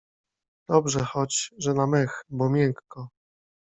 Dobrze choć, że na mech, bo miękko.